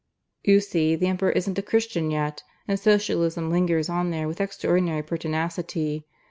"You see the Emperor isn't a Christian yet; and Socialism lingers on there with extraordinary pertinacity.